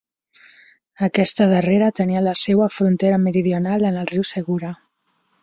Aquesta darrera, tenia la seua frontera meridional en el riu Segura.